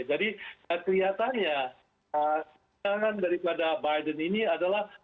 jadi kelihatannya pertanyaan daripada biden ini adalah